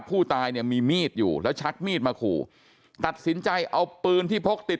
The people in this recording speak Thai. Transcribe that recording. ผู้ตายเนี่ยมีมีดอยู่แล้วชักมีดมาขู่ตัดสินใจเอาปืนที่พกติด